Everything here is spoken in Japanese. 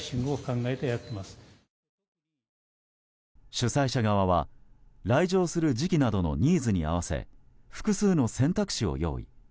主催者側は来場する時期などのニーズに合わせ複数の選択肢を用意。